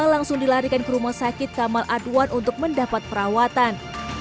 langsung dilarikan ke rumah sakit kamal adwan untuk mendapat perawatan